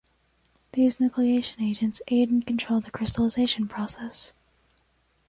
These nucleation agents aid and control the crystallization process.